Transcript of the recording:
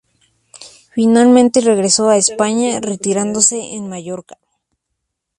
Finalmente regresó a España, retirándose en Mallorca.